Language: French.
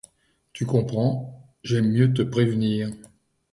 Tu comprends, j'aime mieux te prévenir.